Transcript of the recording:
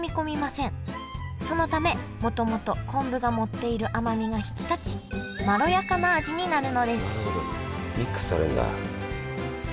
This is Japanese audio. そのためもともと昆布が持っている甘みが引き立ちまろやかな味になるのですなるほどミックスされるんだ。